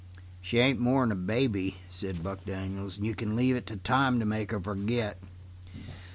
"She ain't more'n a baby," said Buck Daniels, "and you can leave it to time to make her forget."